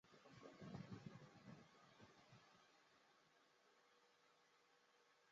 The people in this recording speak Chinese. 对羟基苯甲酸酯可由对羟基苯甲酸加上适当的醇的酯化反应制成。